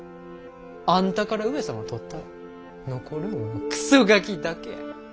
あんたから上様取ったら残るんはクソガキだけや！